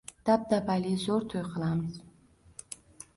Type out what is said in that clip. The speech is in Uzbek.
Dabdabali, zo`r to`y qilamiz